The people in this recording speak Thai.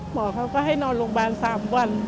หมอเค้าก็ให้นอนรงการ๓วัน